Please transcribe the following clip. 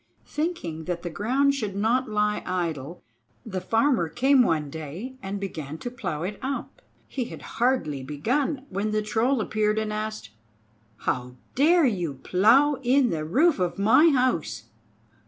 Thinking that the ground should not lie idle the Farmer came one day and began to plow it up. He had hardly begun, when the Troll appeared and asked: "How dare you plow in the roof of my house?"